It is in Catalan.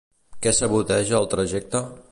Què saboteja el trajecte?